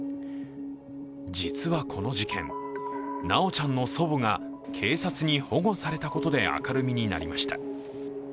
実はこの事件、修ちゃんの祖母が警察に保護されたことで明るみになりました。